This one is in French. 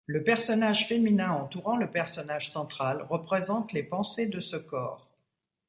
Le personnage féminin entourant le personnage central représente les pensées de ce corps.